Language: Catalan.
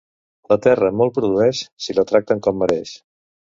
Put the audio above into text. La terra molt produeix, si la tracten com mereix.